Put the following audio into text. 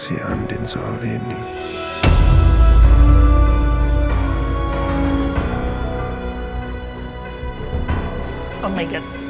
sayang apa yang terjadi